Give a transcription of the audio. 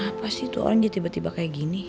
kenapa sih tuh orangnya tiba tiba kayak gini